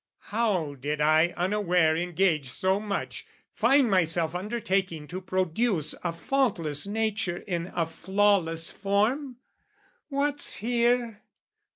How did I unaware engage so much Find myself undertaking to produce A faultless nature in a flawless form? What's here?